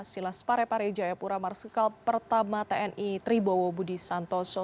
silas parepare jayapura marsikal pertama tni tribowo budi santoso